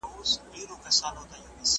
د کور غل د لستوڼي مار وي .